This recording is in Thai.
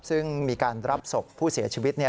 ซึ่งมีการรับศพผู้เสียชีวิต